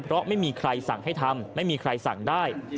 เพราะไม่มีใครสั่งให้ทำไม่มีใครสั่งได้